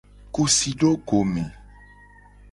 Ku si do go me.